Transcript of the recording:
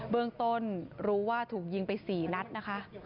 เบื้องต้นรู้ว่าถูกยิงไป๔นัดนะคะ